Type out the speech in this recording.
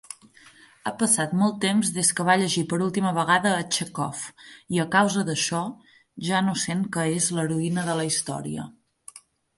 Ha passat molt temps des que va llegir per última vegada a Chekhov, i a causa d'això ja no sent que és l'heroïna de la història.